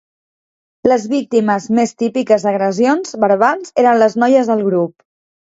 Les víctimes més típiques d'agressions verbals eren les noies del grup.